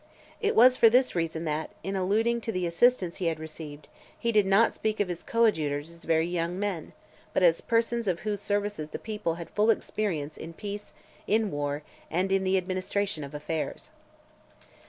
It was for this reason that, in alluding to the assistance he had received, he did not speak of his coadjutors as very young men, but as persons of whose services the people had full experience in peace, in war, and in the administration of affairs.